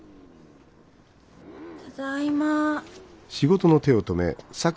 ただいま。